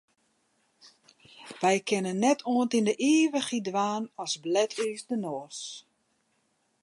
Wy kinne net oant yn de ivichheid dwaan as blet ús de noas.